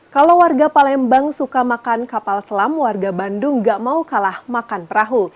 kalau warga palembang suka makan kapal selam warga bandung gak mau kalah makan perahu